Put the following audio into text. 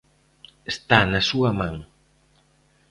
Está na súa man.